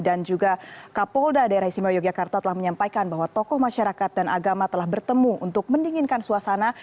dan juga kapolda daerah istimewa yogyakarta telah menyampaikan bahwa tokoh masyarakat dan agama telah bertemu untuk mendinginkan suasana